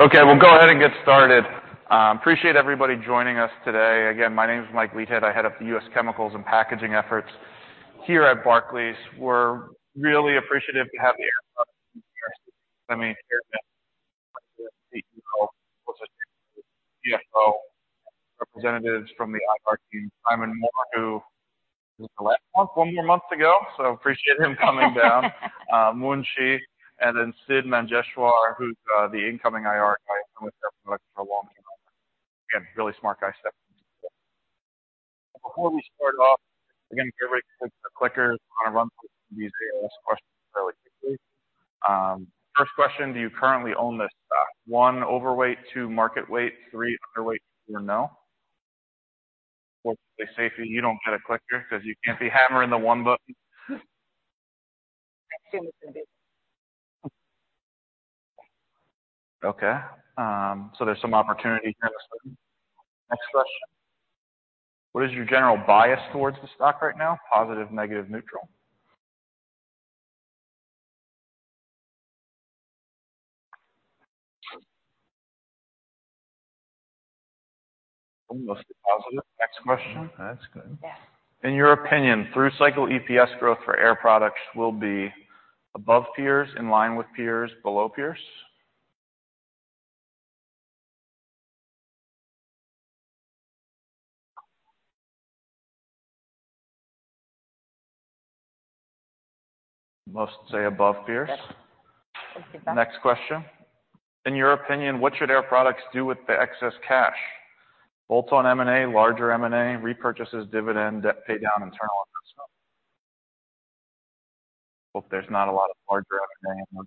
Okay, we'll go ahead and get started. Appreciate everybody joining us today. Again, my name is Mike Leithead. I head up the U.S. Chemicals and Packaging efforts here at Barclays. We're really appreciative to have Air Products here. I mean, CFO, representatives from the IR team, Simon Moore, who was with us one more month ago. Appreciate him coming down. Mun Shieh and then Sidd Manjeshwar, who's the incoming IR guy, been with Air Products for a long time. Again, really smart guy, Sidd. Before we start off, again, everybody can hit the clicker. I want to run through these questions fairly quickly. First question, do you currently own this stock? 1, overweight. 2, market weight. 3, underweight. 4, no. Fortunately, Seifi, you don't get a clicker because you can't be hammering the one button. I assume it's a big-. Okay. There's some opportunity there. Next question. What is your general bias towards the stock right now? Positive, negative, neutral. Mostly positive. Next question. That's good. In your opinion, through cycle EPS growth for Air Products will be above peers, in line with peers, below peers? Most say above peers. Yes. Thank you for that. Next question. In your opinion, what should Air Products do with the excess cash? Bolt on M&A, larger M&A, repurchases, dividend, debt pay down, internal investment. Well, there's not a lot of larger M&A.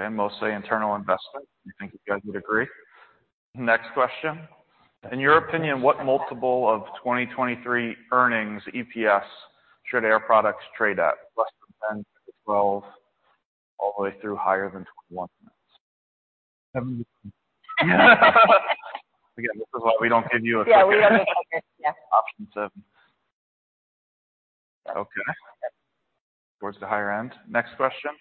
Okay. Mostly internal investment. I think you guys would agree. Next question. In your opinion, what multiple of 2023 earnings EPS should Air Products trade at? Less than 10, 12, all the way through higher than 21. Seven. This is why we don't give you a clicker. Yeah, we have no clicker. Yeah. Option seven. Okay. Towards the higher end. Next question.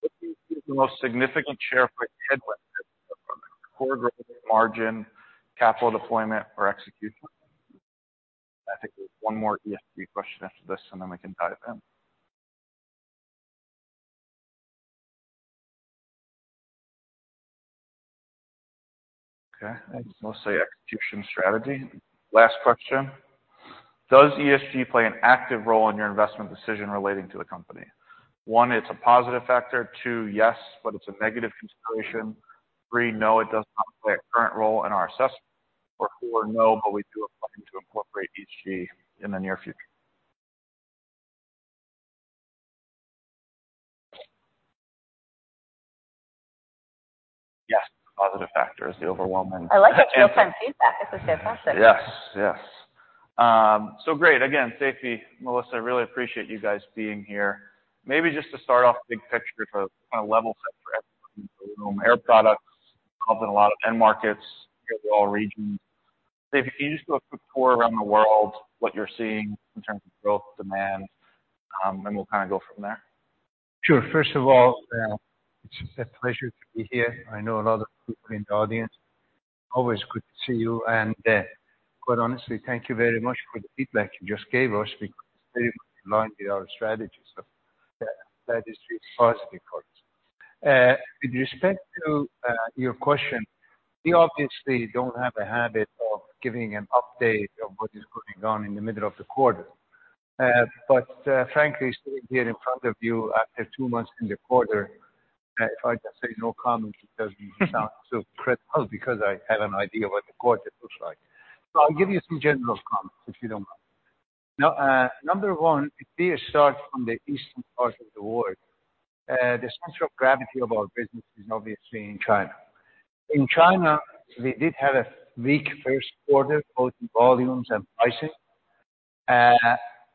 What do you think is the most significant share for headline Air Products? Core growth, margin, capital deployment, or execution? I think there's one more ESG question after this, and then we can dive in. Okay. I think mostly execution strategy. Last question. Does ESG play an active role in your investment decision relating to the company? One, it's a positive factor. Two, yes, but it's a negative consideration. Three, no, it does not play a current role in our assessment. Four, no, but we do plan to incorporate ESG in the near future. Yes, positive factor is the overwhelming I like the real-time feedback. This is so awesome. Yes. Yes. Great. Again, Seifi, Melissa, I really appreciate you guys being here. Maybe just to start off big picture to kind of level set for everyone in the room. Air Products helping a lot of end markets in all regions. Seifi, can you just do a quick tour around the world, what you're seeing in terms of growth, demand, and we'll kind of go from there? Sure. First of all, it's just a pleasure to be here. I know a lot of people in the audience. Always good to see you. Quite honestly, thank you very much for the feedback you just gave us. We could very much align with our strategy. That is really positive for us. With respect to your question, we obviously don't have a habit of giving an update of what is going on in the middle of the quarter. Frankly, sitting here in front of you after two months in the quarter, if I just say no comment, it doesn't sound so critical because I have an idea what the quarter looks like. I'll give you some general comments, if you don't mind. Now, number one, if we start from the eastern part of the world, the center of gravity of our business is obviously in China. In China, we did have a weak first quarter, both in volumes and prices.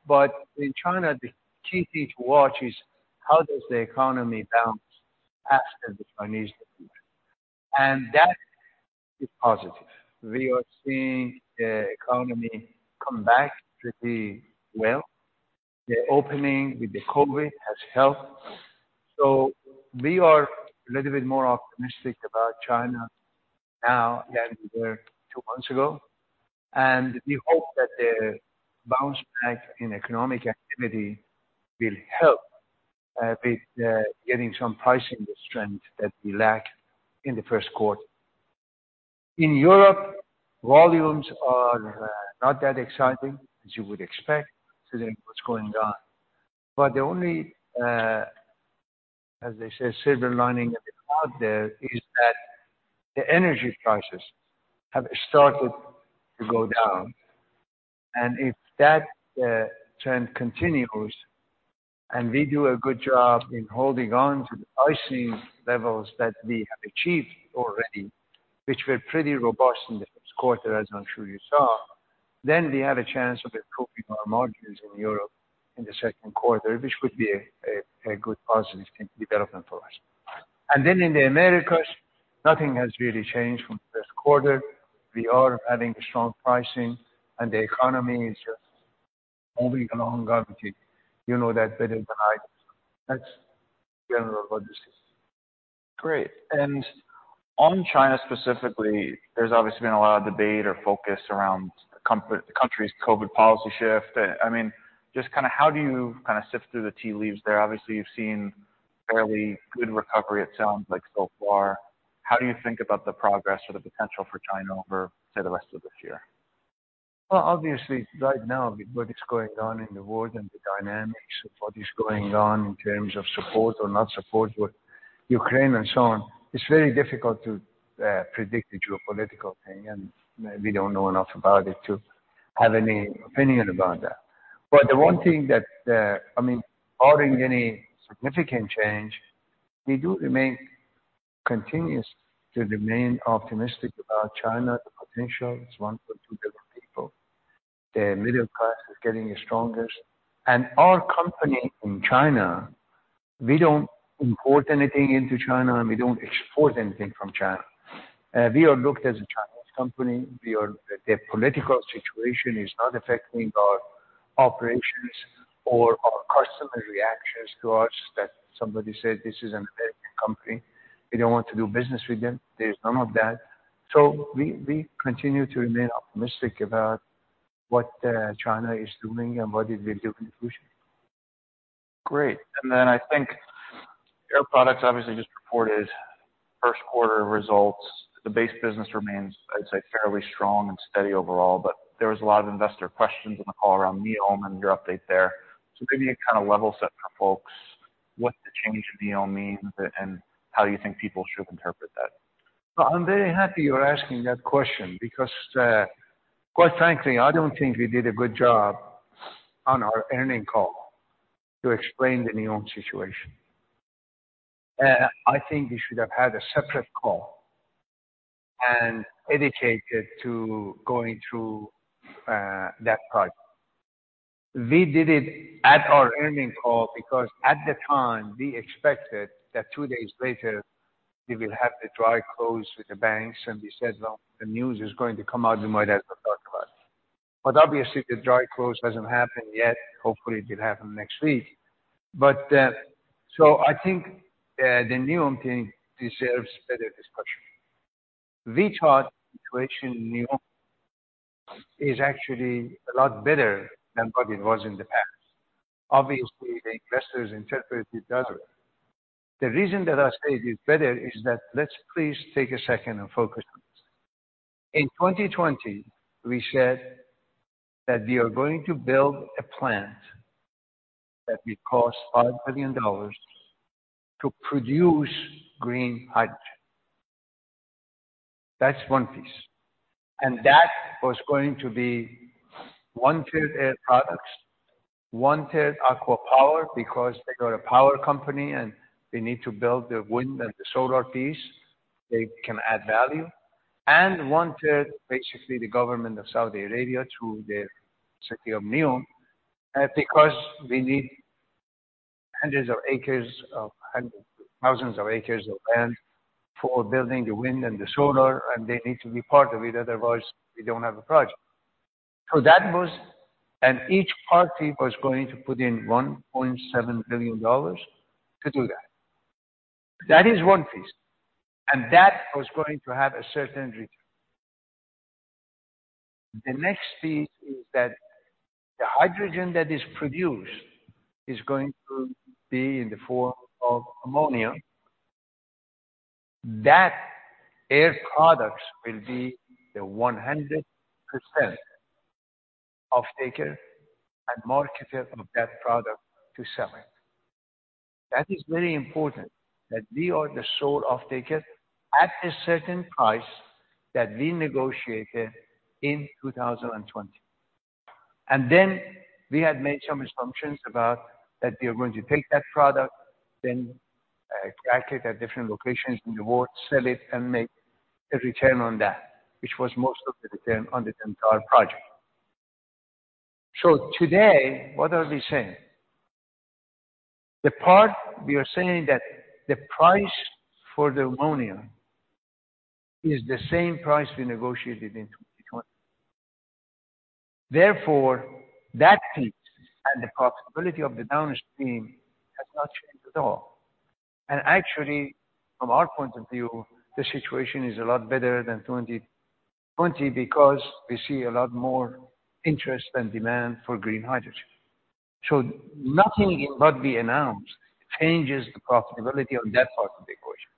But in China, the key thing to watch is how does the economy bounce after the Chinese New Year. That is positive. We are seeing the economy come back pretty well. The opening with the COVID has helped. We are a little bit more optimistic about China now than we were two months ago, and we hope that the bounce back in economic activity will help with getting some pricing strength that we lacked in the first quarter. In Europe, volumes are not that exciting, as you would expect, considering what's going on. The only, as they say, silver lining out there is that the energy prices have started to go down. If that trend continues and we do a good job in holding on to the pricing levels that we have achieved already, which were pretty robust in the first quarter, as I'm sure you saw, then we have a chance of improving our margins in Europe in the second quarter, which would be a good positive development for us. In the Americas, nothing has really changed from first quarter. We are having strong pricing and the economy is just moving along okay. You know that better than I do. That's general what you see. Great. On China specifically, there's obviously been a lot of debate or focus around the country's COVID policy shift. I mean, just kind of how do you kind of sift through the tea leaves there? Obviously, you've seen fairly good recovery, it sounds like so far. How do you think about the progress or the potential for China over, say, the rest of this year? Well, obviously right now, what is going on in the world and the dynamics of what is going on in terms of support or not support with Ukraine and so on, it's very difficult to predict the geopolitical thing, and we don't know enough about it to have any opinion about that. The one thing that, I mean, barring any significant change, we do remain continuous to remain optimistic about China. The potential is 1.2 billion people. Their middle class is getting stronger. Our company in China, we don't import anything into China, and we don't export anything from China. We are looked at as a Chinese company. Their political situation is not affecting our operations or our customer reactions to us that somebody said, this is an American company, we don't want to do business with them. There's none of that. We continue to remain optimistic about what China is doing and what it will do in the future. Great. I think Air Products obviously just reported first quarter results. The base business remains, I'd say, fairly strong and steady overall. There was a lot of investor questions on the call around NEOM and your update there. Give me a kind of level set for folks what the change for NEOM means and how you think people should interpret that. I'm very happy you're asking that question because, quite frankly, I don't think we did a good job on our earnings call to explain the NEOM situation. I think we should have had a separate call and dedicated to going through that project. We did it at our earnings call because at the time we expected that two days later we will have the dry close with the banks. We said, well, the news is going to come out, we might as well talk about it. Obviously the dry close doesn't happen yet. Hopefully it will happen next week. I think the NEOM thing deserves better discussion. We thought the situation in NEOM is actually a lot better than what it was in the past. Obviously, the investors interpreted it the other way. The reason that I say it is better is that let's please take a second and focus on this. In 2020, we said that we are going to build a plant that will cost $5 billion to produce green hydrogen. That's one piece. That was going to be one-third Air Products, one-third ACWA Power, because they got a power company and they need to build the wind and the solar piece, they can add value. One-third, basically the government of Saudi Arabia through their city of NEOM, because we need hundreds of acres, thousands of acres of land for building the wind and the solar, and they need to be part of it, otherwise we don't have a project. Each party was going to put in $1.7 billion to do that. That is one piece, that was going to have a certain return. The next piece is that the hydrogen that is produced is going to be in the form of ammonia. Air Products will be the 100% offtaker and marketer of that product to sell it. That is very important that we are the sole offtaker at a certain price that we negotiated in 2020. We had made some assumptions about that we are going to take that product, then extract it at different locations in the world, sell it, and make a return on that, which was most of the return on the entire project. Today, what are we saying? The part we are saying that the price for the ammonia is the same price we negotiated in 2020. That piece and the profitability of the downstream has not changed at all. Actually, from our point of view, the situation is a lot better than 2020 because we see a lot more interest and demand for green hydrogen. Nothing in what we announced changes the profitability on that part of the equation.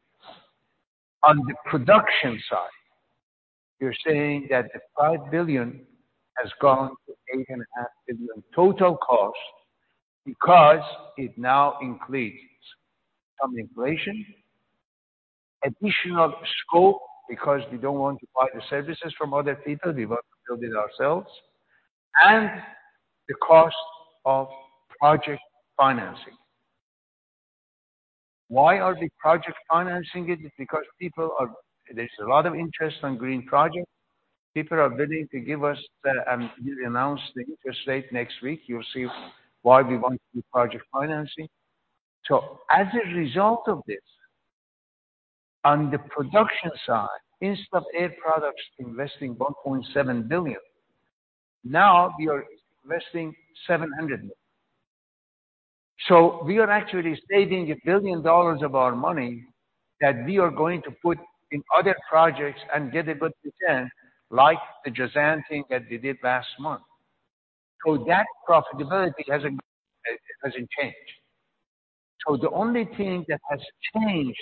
On the production side, you're saying that the $5 billion has gone to $8.5 billion total cost because it now includes some inflation, additional scope, because we don't want to buy the services from other people, we want to build it ourselves, and the cost of project financing. Why are we project financing it? It's because there's a lot of interest on green projects. People are willing to give us the, we announced the interest rate next week. You'll see why we want to do project financing. As a result of this, on the production side, instead of Air Products investing $1.7 billion, now we are investing $700 million. We are actually saving $1 billion of our money that we are going to put in other projects and get a good return like the Jazan thing that we did last month. That profitability hasn't changed. The only thing that has changed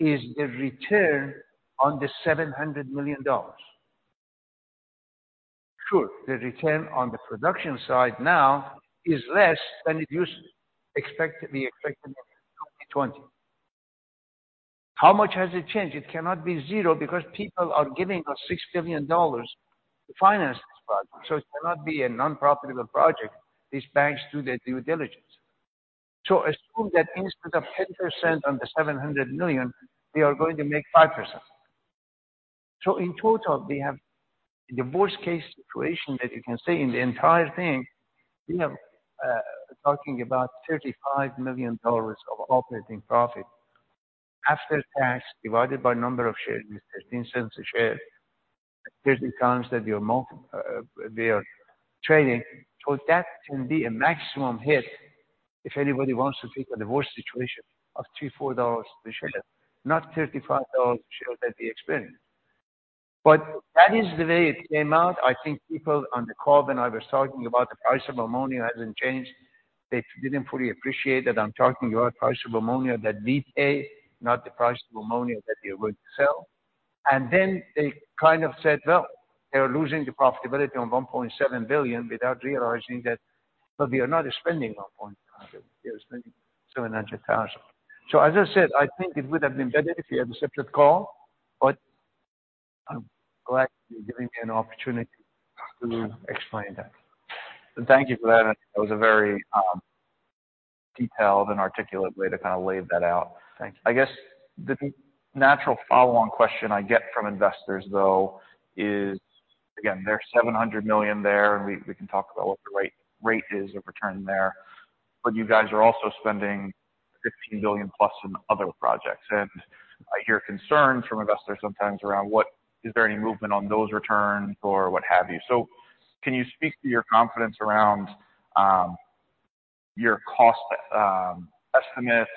is the return on the $700 million. Sure, the return on the production side now is less than it used to be, expected to be expected in 2020. How much has it changed? It cannot be zero because people are giving us $6 billion to finance this project, so it cannot be a non-profitable project. These banks do their due diligence. Assume that instead of 10% on the $700 million, we are going to make 5%. In total, we have the worst case situation that you can see in the entire thing. We have, talking about $35 million of operating profit after tax divided by number of shares, is $0.13 a share. There's the times that we are trading. That can be a maximum hit if anybody wants to think of the worst situation of $2-$4 a share, not $35 a share that we experienced. That is the way it came out. I think people on the call when I was talking about the price of ammonia hasn't changed, they didn't fully appreciate that I'm talking about price of ammonia that we pay, not the price of ammonia that we are going to sell. They kind of said, "Well, they are losing the profitability on $1.7 billion," without realizing that, well, we are not spending $1.7. We are spending $700,000. As I said, I think it would have been better if you had a separate call, but I'm glad you're giving me an opportunity to explain that. Thank you for that. That was a very detailed and articulate way to kind of lay that out. Thank you. I guess the natural follow on question I get from investors though is, again, there's $700 million there, and we can talk about what the rate is of return there. You guys are also spending $15 billion plus on other projects. I hear concerns from investors sometimes around what. Is there any movement on those returns or what have you. Can you speak to your confidence around your cost estimates,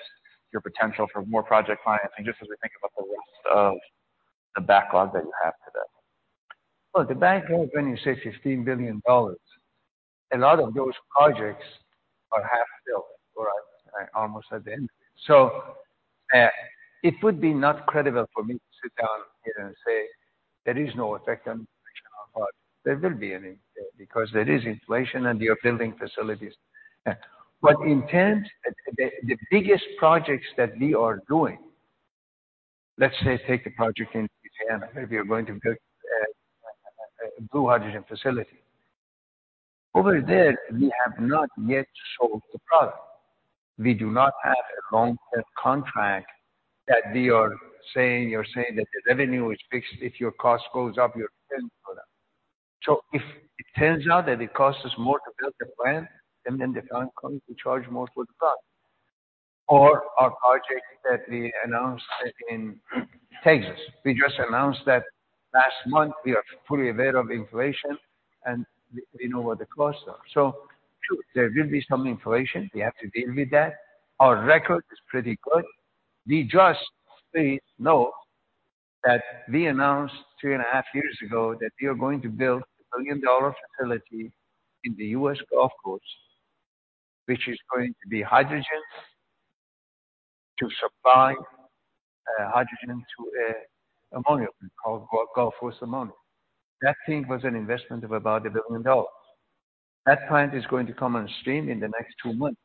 your potential for more project financing, just as we think about the rest of the backlog that you have today? The bank, when you say $15 billion, a lot of those projects are half built, or I almost said then. It would be not credible for me to sit down here and say there is no effect on inflation on us. There will be an effect because there is inflation and we are building facilities. The biggest projects that we are doing, let's say, take the project in Indiana, where we are going to build a blue hydrogen facility. Over there, we have not yet solved the problem. We do not have a long-term contract that we are saying, you're saying that the revenue is fixed. If your cost goes up, you're paying for that. If it turns out that it costs us more to build the plant, and then the plant comes, we charge more for the product. Our project that we announced in Texas, we just announced that last month. We are fully aware of inflation, and we know what the costs are. Sure, there will be some inflation. We have to deal with that. Our record is pretty good. We just, please know that we announced 2 and a half years ago that we are going to build a billion-dollar facility in the US Gulf Coast, which is going to be hydrogens to supply hydrogen to ammonia. We call Gulf Coast Ammonia. That thing was an investment of about $1 billion. That plant is going to come on stream in the next 2 months.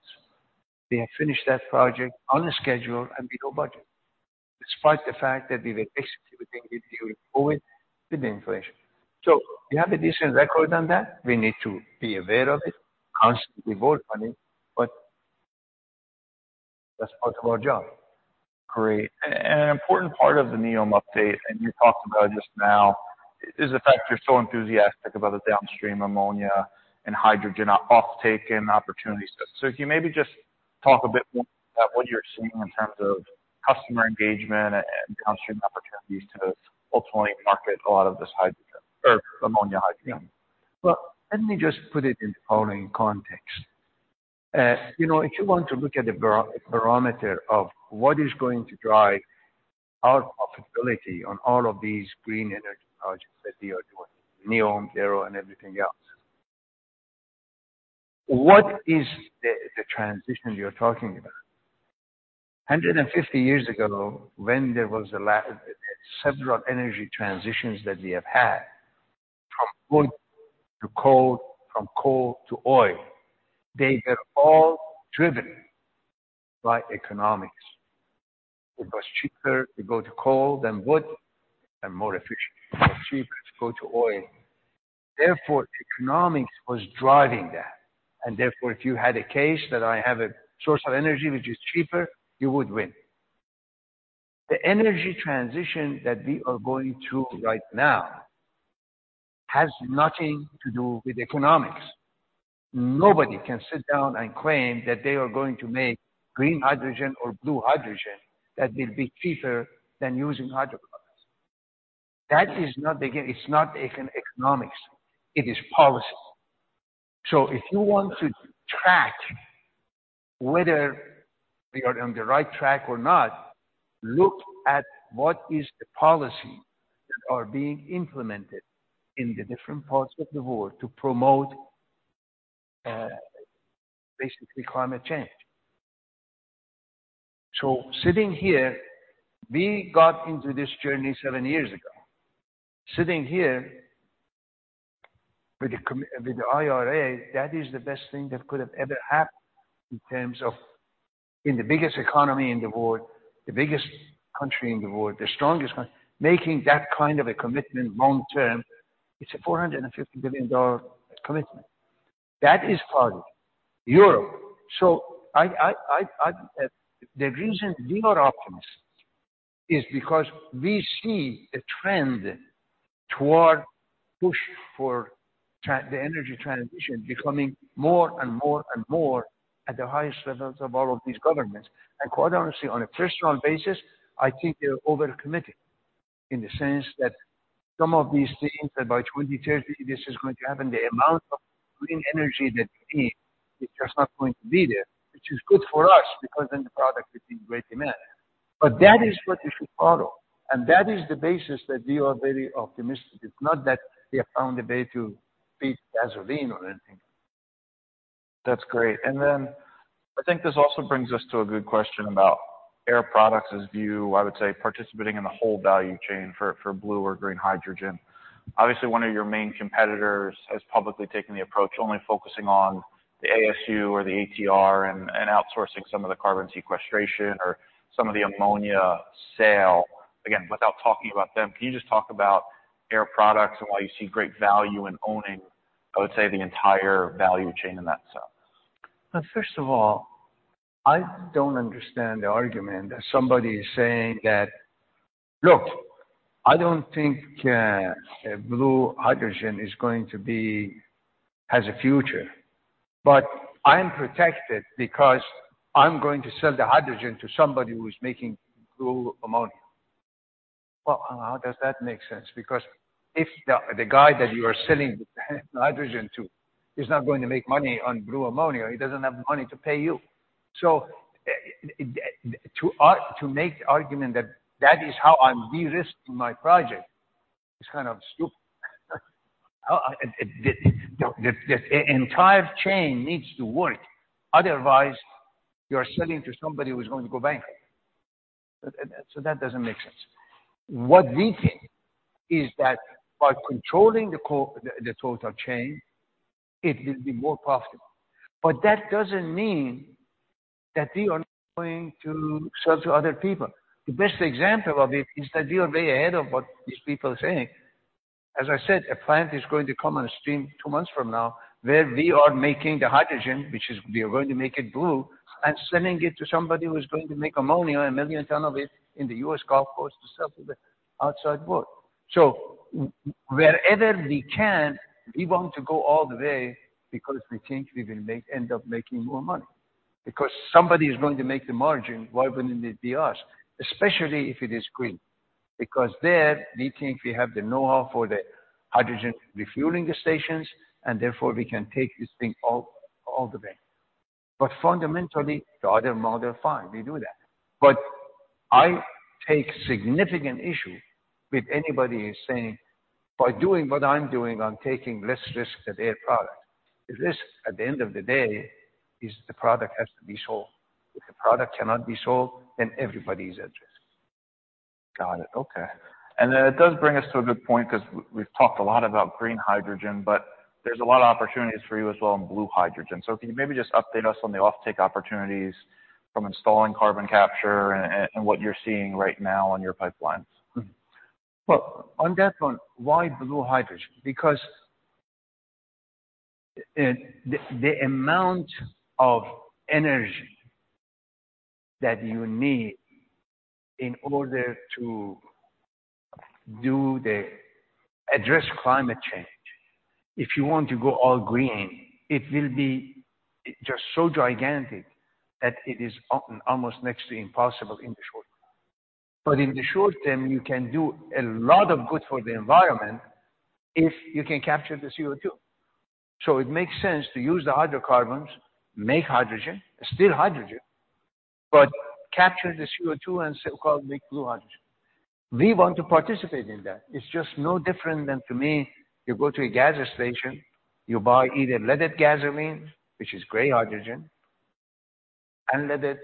We have finished that project on the schedule and below budget, despite the fact that we were executing it with the inflation. We have a decent record on that. We need to be aware of it, constantly work on it, but that's part of our job. Great. And an important part of the Neom update, and you talked about it just now, is the fact you're so enthusiastic about the downstream ammonia and hydrogen offtake and opportunities. If you maybe just talk a bit more about what you're seeing in terms of customer engagement and downstream opportunities to ultimately market a lot of this hydrogen or ammonia hydrogen? Well, let me just put it in following context. you know, if you want to look at the barometer of what is going to drive our profitability on all of these green energy projects that we are doing, Neom, Darrow, and everything else, what is the transition you're talking about? 150 years ago, when there was several energy transitions that we have had, from wood to coal, from coal to oil, they were all driven by economics. It was cheaper to go to coal than wood, and more efficient, cheaper to go to oil. Therefore, economics was driving that. Therefore, if you had a case that I have a source of energy which is cheaper, you would win. The energy transition that we are going through right now has nothing to do with economics. Nobody can sit down and claim that they are going to make green hydrogen or blue hydrogen that will be cheaper than using hydrocarbons. That is not again, it's not eco-economics, it is policy. If you want to track whether we are on the right track or not, look at what is the policy that are being implemented in the different parts of the world to promote, basically climate change. Sitting here, we got into this journey seven years ago. Sitting here with the IRA, that is the best thing that could have ever happened in terms of in the biggest economy in the world, the biggest country in the world, the strongest country, making that kind of a commitment long-term, it's a $450 billion commitment. That is policy. Europe. I... The reason we are optimists is because we see a trend toward push for the energy transition becoming more and more and more at the highest levels of all of these governments. Quite honestly, on a personal basis, I think they are over-committing in the sense that some of these things that by 2030 this is going to happen, the amount of green energy that we need is just not going to be there, which is good for us because then the product will be in great demand. That is what you should follow, and that is the basis that we are very optimistic. It's not that we have found a way to beat gasoline or anything. That's great. I think this also brings us to a good question about Air Products' view, I would say, participating in the whole value chain for blue or green hydrogen. Obviously, one of your main competitors has publicly taken the approach, only focusing on the ASU or the ATR and outsourcing some of the carbon sequestration or some of the ammonia sale. Again, without talking about them, can you just talk about Air Products and why you see great value in owning, I would say, the entire value chain in that sense? I don't understand the argument that somebody is saying that, Look, I don't think blue hydrogen is going to have a future, but I'm protected because I'm going to sell the hydrogen to somebody who's making blue ammonia. How does that make sense? If the guy that you are selling the hydrogen to is not going to make money on blue ammonia, he doesn't have money to pay you. To make the argument that that is how I'm de-risking my project is kind of stupid. The entire chain needs to work, otherwise you are selling to somebody who's going to go bankrupt. That doesn't make sense. What we think is that by controlling the total chain, it will be more profitable. That doesn't mean that we are not going to sell to other people. The best example of it is that we are way ahead of what these people are saying. As I said, a plant is going to come on stream 2 months from now, where we are making the hydrogen, which is we are going to make it blue, and sending it to somebody who's going to make ammonia, 1 million ton of it, in the US Gulf Coast to sell to the outside world. Wherever we can, we want to go all the way because we think we will end up making more money. Somebody is going to make the margin, why wouldn't it be us? Especially if it is green, because there we think we have the know-how for the hydrogen refueling stations, and therefore, we can take this thing all the way. Fundamentally, the other model, fine, we do that. I take significant issue with anybody who's saying, "By doing what I'm doing, I'm taking less risk than Air Products." The risk at the end of the day is the product has to be sold. If the product cannot be sold, then everybody is at risk. Got it. Okay. It does bring us to a good point because we've talked a lot about green hydrogen, but there's a lot of opportunities for you as well in blue hydrogen. Can you maybe just update us on the offtake opportunities from installing carbon capture and what you're seeing right now on your pipelines? On that one, why blue hydrogen? Because the amount of energy that you need in order to address climate change, if you want to go all green, it will be just so gigantic that it is almost next to impossible in the short run. In the short term, you can do a lot of good for the environment if you can capture the CO2. It makes sense to use the hydrocarbons, make hydrogen, still hydrogen, but capture the CO2 and so-called make blue hydrogen. We want to participate in that. It's just no different than to me, you go to a gas station, you buy either leaded gasoline, which is gray hydrogen, unleaded,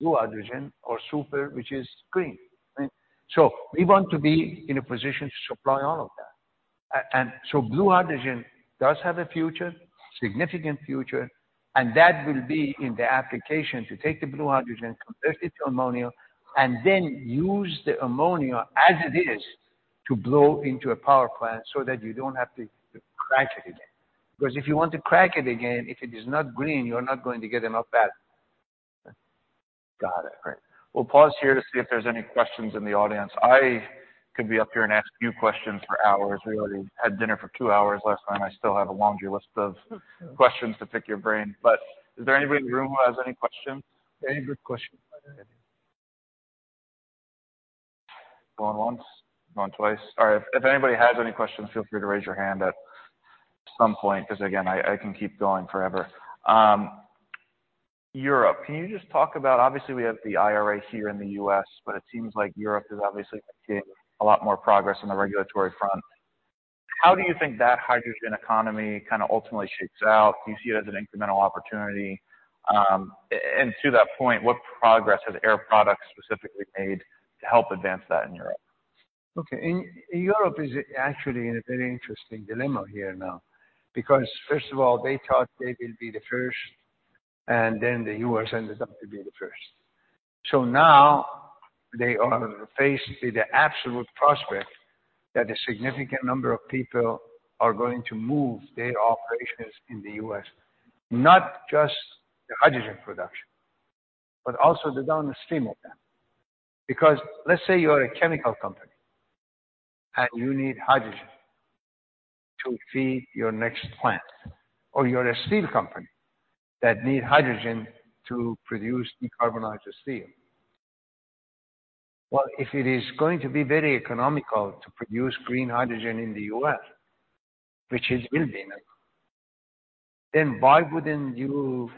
blue hydrogen, or super, which is green, right? We want to be in a position to supply all of that. Blue hydrogen does have a future, significant future, and that will be in the application to take the blue hydrogen, convert it to ammonia, and then use the ammonia as it is to blow into a power plant so that you don't have to crack it again. Because if you want to crack it again, if it is not green, you are not going to get enough back. Got it. Great. We'll pause here to see if there's any questions in the audience. I could be up here and ask you questions for hours. We already had dinner for 2 hours last time. I still have a laundry list of questions to pick your brain. Is there anybody in the room who has any questions? Any quick question. Going once, going twice. All right. If anybody has any questions, feel free to raise your hand at some point, because again, I can keep going forever. Europe, can you just talk about, obviously, we have the IRA here in the U.S., but it seems like Europe is obviously making a lot more progress on the regulatory front. How do you think that hydrogen economy kind of ultimately shakes out? Do you see it as an incremental opportunity? To that point, what progress has Air Products specifically made to help advance that in Europe? In Europe is actually in a very interesting dilemma here now. First of all, they thought they will be the first, and then the U.S. ended up to be the first. Now they are faced with the absolute prospect that a significant number of people are going to move their operations in the U.S., not just the hydrogen production, but also the downstream of that. Let's say you are a chemical company, and you need hydrogen to feed your next plant, or you're a steel company that need hydrogen to produce decarbonized steel. If it is going to be very economical to produce green hydrogen in the U.S., which it will be, why wouldn't you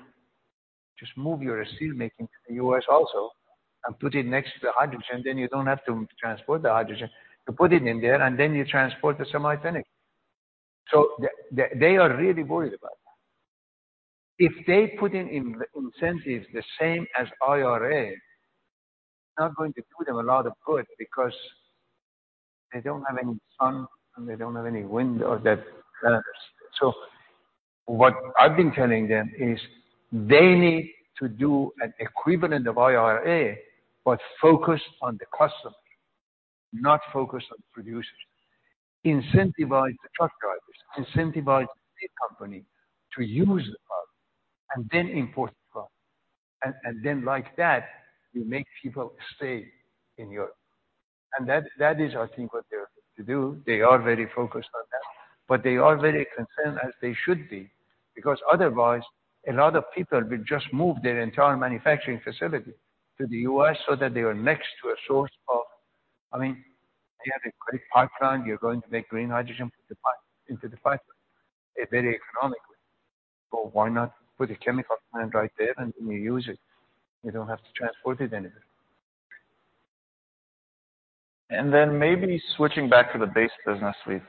just move your steel making to the U.S. also and put it next to the hydrogen, you don't have to transport the hydrogen. You put it in there, and then you transport the semi-finished. They are really worried about that. If they put in incentives the same as IRA, it's not going to do them a lot of good because they don't have any sun, and they don't have any wind of that kind. What I've been telling them is they need to do an equivalent of IRA, but focus on the customer, not focus on the producer. Incentivize the truck drivers, incentivize the company to use the product and then import the product. Then like that, you make people stay in Europe. That is I think what they're going to do. They are very focused on that. They are very concerned, as they should be, because otherwise a lot of people will just move their entire manufacturing facility to the U.S. so that they are next to a source of... I mean, you have a great pipeline. You're going to make green hydrogen, put into the pipeline, a very economic way. Why not put a chemical plant right there, and you use it. You don't have to transport it anywhere. Maybe switching back to the base business. We've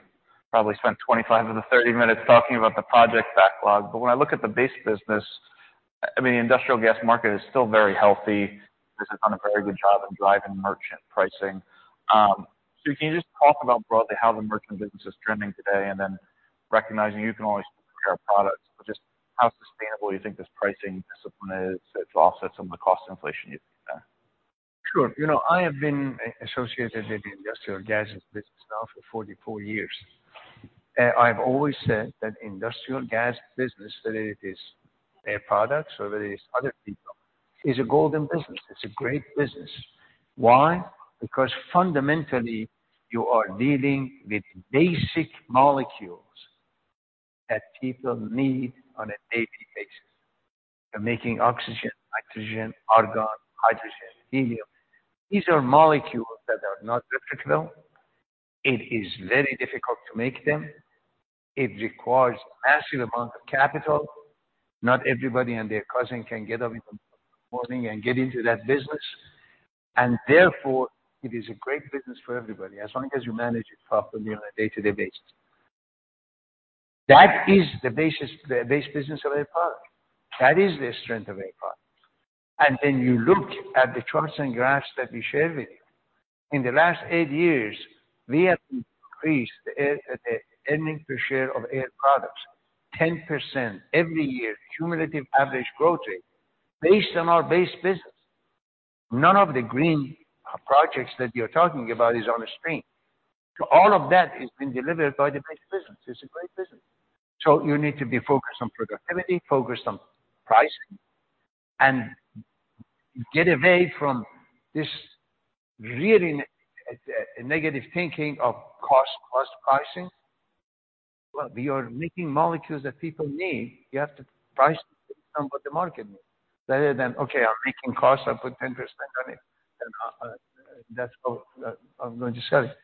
probably spent 25 of the 30 minutes talking about the project backlog. When I look at the base business, I mean, the industrial gas market is still very healthy. This has done a very good job of driving merchant pricing. Can you just talk about broadly how the merchant business is trending today, and then recognizing you can always compare products, but just how sustainable you think this pricing discipline is to offset some of the cost inflation you've seen there? Sure. You know, I have been associated with the industrial gases business now for 44 years. I've always said that industrial gas business, whether it is Air Products or whether it's other people, is a golden business. It's a great business. Why? Because fundamentally, you are dealing with basic molecules that people need on a daily basis. You're making oxygen, nitrogen, argon, hydrogen, helium. These are molecules that are not replicable. It is very difficult to make them. It requires massive amount of capital. Not everybody and their cousin can get up in the morning and get into that business. Therefore, it is a great business for everybody, as long as you manage it properly on a day-to-day basis. That is the basis, the base business of Air Products. That is the strength of Air Products. You look at the charts and graphs that we shared with you. In the last 8 years, we have increased the earnings per share of Air Products 10% every year, cumulative average growth rate based on our base business. None of the green projects that you're talking about is on a stream. All of that has been delivered by the base business. It's a great business. You need to be focused on productivity, focused on pricing, and get away from this really negative thinking of cost pricing. Well, we are making molecules that people need. You have to price based on what the market needs, rather than, okay, I'm making costs, I'll put 10% on it, and that's what I'm going to sell it.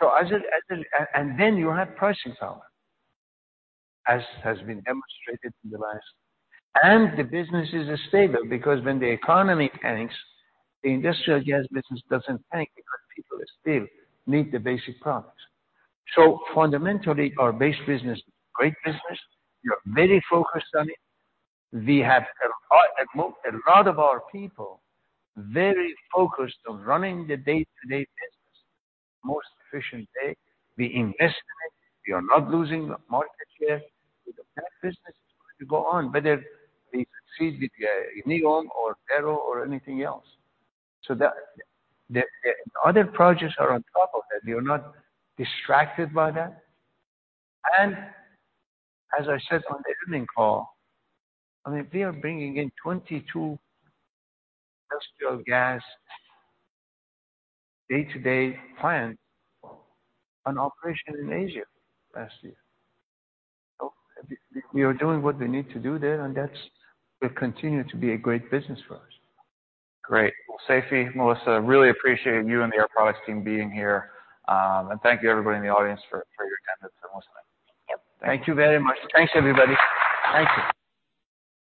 You have pricing power, as has been demonstrated in the last... The business is stable because when the economy tanks, the industrial gas business doesn't tank because people still need the basic products. Fundamentally, our base business, great business. We are very focused on it. We have a lot of our people very focused on running the day-to-day business, most efficient day. We invest in it. We are not losing market share with the plant business. It's going to go on, whether we succeed with NEOM or Darrow or anything else. The other projects are on top of that. We are not distracted by that. As I said on the earnings call, I mean, we are bringing in 22 industrial gas day-to-day plants on operation in Asia last year. We are doing what we need to do there, and that's will continue to be a great business for us. Great. Well, Seifi, Melissa, really appreciate you and the Air Products team being here. Thank you everybody in the audience for your attendance and listening. Thank you very much. Thanks, everybody. Thank you.